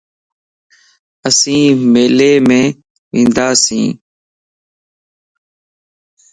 اسين ميليءَ مَ ونداسين